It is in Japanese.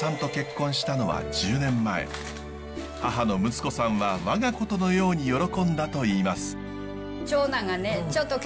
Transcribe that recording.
母の睦子さんは我が事のように喜んだといいます。